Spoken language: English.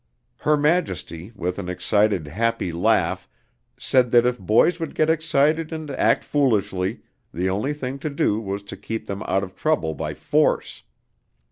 Her Majesty with an excited, happy laugh said that if boys would get excited and act foolishly, the only thing to do was to keep them out of trouble by force.